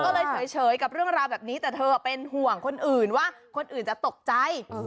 ก็เลยเฉยกับเรื่องราวแบบนี้แต่เธอเป็นห่วงคนอื่นว่าคนอื่นจะตกใจ